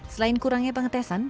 selain kurangnya pengetesan